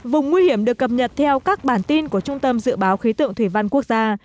vùng nguy hiểm được cập nhật theo các bản tin của trung tâm dự báo khí tượng thủy văn quốc gia